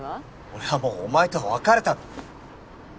俺はもうお前とは別れた。